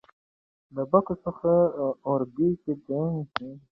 له باکو څخه اورګاډي کې باتومي ته ولاړ.